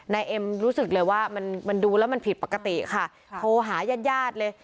นายเอ็มรู้สึกเลยว่ามันดูแล้วมันผิดปกติค่ะโทรหายาดเลย